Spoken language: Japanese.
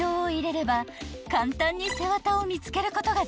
［簡単に背わたを見つけることが出来ます］